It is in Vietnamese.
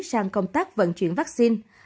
sang công tác vận chuyển vaccine